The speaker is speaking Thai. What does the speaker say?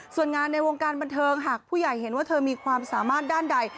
ส่วนงานในวงการบันเทิงหากผู้ใหญ่เห็นว่าเธอมีความสามารถด้านใด